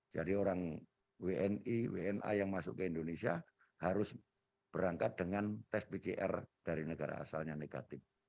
jadi orang wni wni yang masuk ke indonesia harus berangkat dengan tes pcr dari negara asalnya negatif